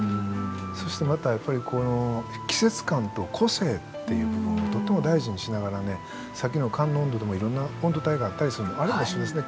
そしてまた季節感と個性っていう部分をとっても大事にしながらねさっきの燗の温度でもいろんな温度帯があったりするのあれも一緒ですね